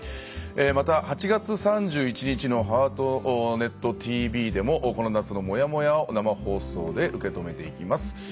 また、８月３１日の「ハートネットＴＶ」でもこの夏のもやもやを生放送で受け止めていきます。